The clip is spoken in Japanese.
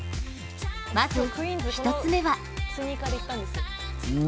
まず１つ目は？